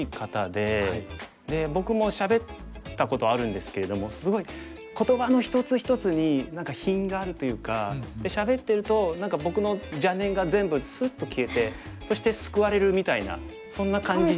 で僕もしゃべったことあるんですけれどもすごい言葉の一つ一つに何か品があるというか。でしゃべってると僕の邪念が全部すっと消えてそして救われるみたいなそんな感じ。